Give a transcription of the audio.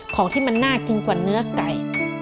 ของที่มันน่ากินกว่าเนื้อไก่